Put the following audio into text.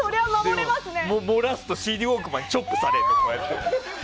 漏らすとＣＤウォークマンチョップされる。